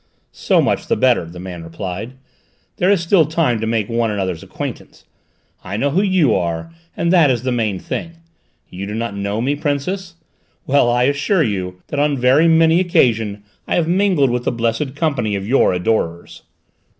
"So much the better," the man replied; "there is still time to make one another's acquaintance. I know who you are, and that is the main thing. You do not know me, Princess? Well, I assure you that on very many an occasion I have mingled with the blessed company of your adorers!"